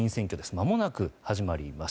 まもなく始まります。